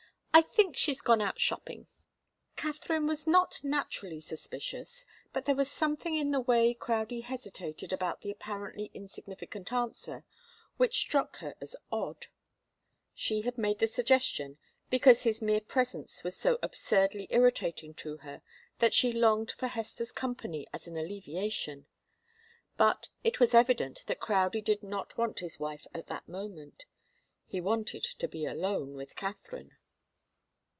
"I think she's gone out shopping." Katharine was not naturally suspicious, but there was something in the way Crowdie hesitated about the apparently insignificant answer which struck [Illustration: "'What have you decided?' she enquired." Vol. I., p. 203.] her as odd. She had made the suggestion because his mere presence was so absurdly irritating to her that she longed for Hester's company as an alleviation. But it was evident that Crowdie did not want his wife at that moment. He wanted to be alone with Katharine.